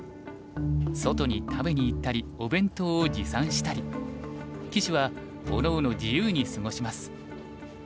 外に食べに行ったりお弁当を持参したり棋士はおのおの自由に過ごします。